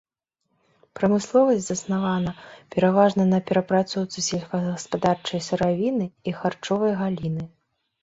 Прамысловасць заснавана пераважна на перапрацоўцы сельскагаспадарчай сыравіны і харчовай галіны.